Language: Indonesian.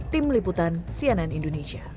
tim liputan cnn indonesia